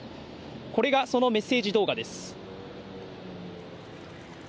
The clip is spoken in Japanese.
これがそのメッセージ動画です。